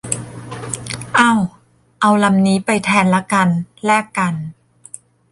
เอ้า เอาลำนี้ไปแทนละกัน แลกกัน